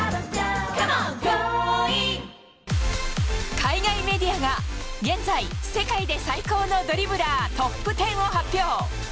海外メディアが現在、世界で最高のドリブラー、トップ１０を発表。